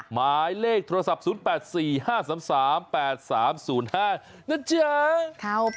หมายเลขโทรศัพท์๐๘๔๕๓๓๘๓๐๕นะจ๊ะ